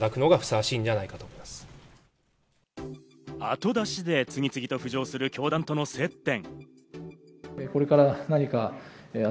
後出しで次々と浮上する教団との接点。